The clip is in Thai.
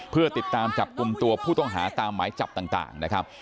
เพื่อติดตามจับกลุ่มตัวผู้ต้องหาตามหมายจับต่างนะครับ